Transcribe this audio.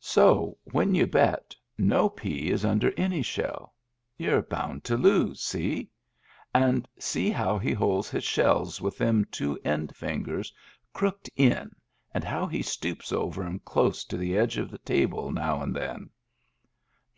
So, when you bet, no pea is under any shell. You're bound to los^ see ? And see how he holds his shells with them two end fingers crooked in and how he stoops over 'em close to the edge of the table now and then."